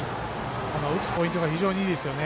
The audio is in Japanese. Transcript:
打つポイントが非常にいいですよね。